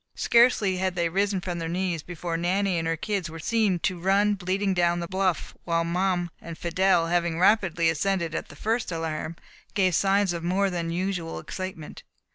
Scarcely had they risen from their knees, before Nanny and her kids were seen to run bleating down the bluff, while Mum and Fidelle, having rapidly ascended at the first alarm, gave signs of more than usual excitement.